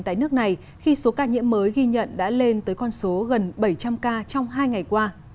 tại nước này khi số ca nhiễm mới ghi nhận đã lên tới con số gần bảy trăm linh ca trong hai ngày qua